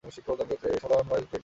এর সাধারণ সাইজ তিনটি।